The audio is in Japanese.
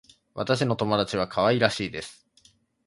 私の友達は可愛らしいです。